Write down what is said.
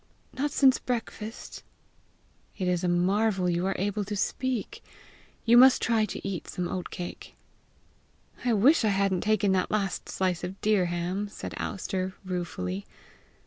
"Not since breakfast." "It is a marvel you are able to speak! You must try to eat some oat cake." "I wish I hadn't taken that last slice of deer ham!" said Alister, ruefully.